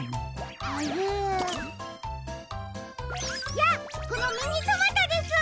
じゃあこのミニトマトです。